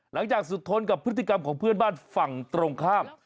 หลังจากสุดทนกับพฤติกรรมของเพื่อนบ้านฝั่งตรงข้าม